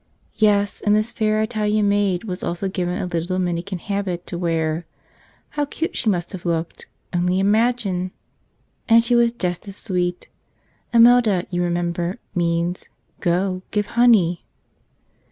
Yes; and this fair Italian maid was also given a little Dominican habit to wear. How cute she must have looked — only imagine! And she was just as sweet; Imelda, you re¬ member, means, "Go, give honey!"